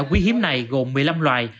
quý hiếm này gồm một mươi năm loài